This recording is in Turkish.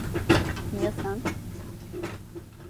Ya sen?